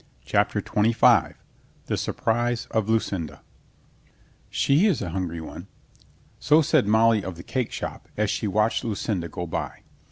CHAPTER TWENTY FIVE THE SURPRISE OF LUCINDA "OHE is a hungry one," So said Molly of the *^ cakeshop, as she watched Lucinda go by.